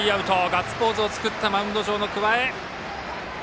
ガッツポーズを作ったマウンド上の桑江。